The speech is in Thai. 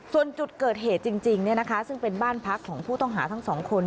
ส่วนจุดเกิดเหตุจริงซึ่งเป็นบ้านพักของผู้ต้องหาทั้งสองคน